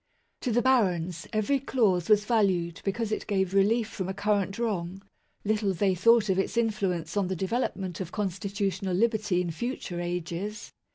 To the barons, every clause was valued because it gave relief from a current wrong; little they thought of its influence on the development of constitutional liberty in future ages.